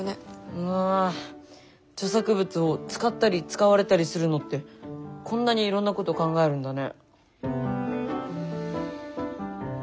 うわ著作物を使ったり使われたりするのってこんなにいろんなこと考えるんだね。